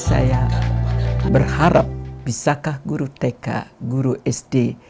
saya berharap bisakah guru tk guru sd